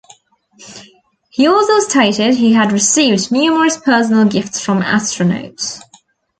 He also stated he had received numerous personal gifts from astronauts.